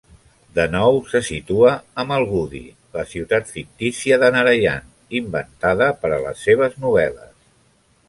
De nou se situa a Malgudi, la ciutat fictícia de Narayan inventada per a les seves novel·les.